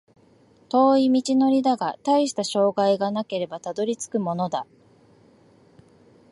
遠い道のりだが、たいした障害がなければたどり着くものだ